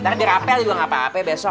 ntar dirapel juga gapapa besok